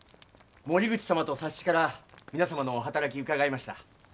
森口様と佐七から皆様のお働き伺いました。